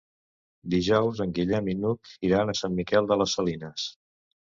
Dijous en Guillem i n'Hug iran a Sant Miquel de les Salines.